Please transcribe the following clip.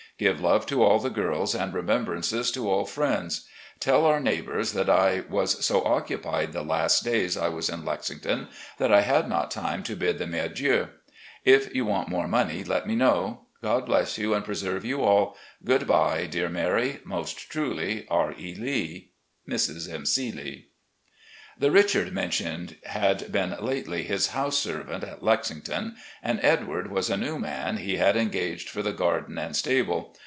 Give love to aU the girls and remembrances to all friends. TeU our neighbours that I was so occupied the last days I was in Lexington that I had not time to bid them adieu. If you want more money let me know. God bless you and preserve you all. Good bye, dear Mary. "Most truly, "R. E. Lee. "Mrs. M. C. Lee." The Richard mentioned had been lately his house ser vant at Lexington, and Edward was a new man he had engaged for the garden and stable.